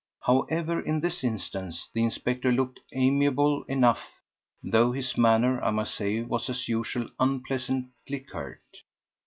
However, in this instance the inspector looked amiable enough, though his manner, I must say, was, as usual, unpleasantly curt.